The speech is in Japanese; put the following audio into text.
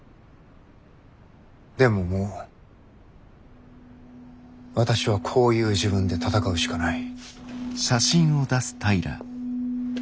でももう私はこういう自分で戦うしかない。